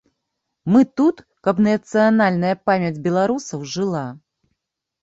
Мы тут, каб нацыянальная памяць беларусаў жыла.